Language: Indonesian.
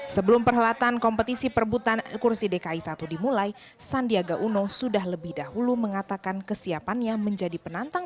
sebelum perhelatan kompetisi perbutan kursi dki satu dimulai sandiaga uno sudah lebih dahulu mengatakan kesiapannya menjadi penantang